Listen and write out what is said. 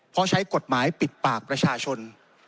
เพราะใช้กฎหมายปิดปากประชาชน